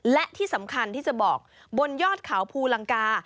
และที่สำคัญที่จะบอกบนยอดเขาภูลังกา